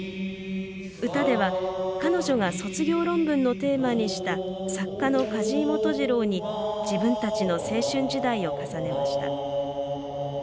歌では、彼女が卒業論文のテーマにした作家の梶井基次郎に自分たちの青春時代を重ねました。